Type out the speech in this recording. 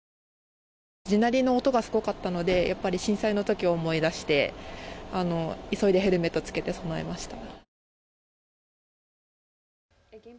地鳴りの音がすごかったのでやっぱり震災のときを思い出して急いでヘルメットを着けて備えました。